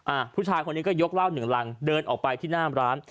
ผู้ชายคนนี้ก็ยกเหล้าหนึ่งรังเดินออกไปที่หน้าร้าน